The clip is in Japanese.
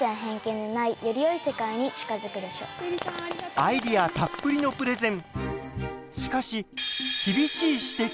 アイデアたっぷりのプレゼン。